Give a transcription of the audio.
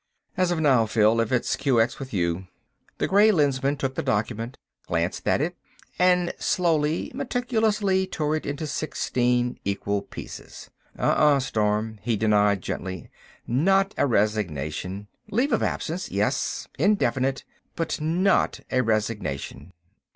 "As of now, Phil, if it's QX with you." The Gray Lensman took the document, glanced at it, and slowly, meticulously, tore it into sixteen equal pieces. "Uh, uh, Storm," he denied, gently. "Not a resignation. Leave of absence, yes—indefinite—but not a resignation."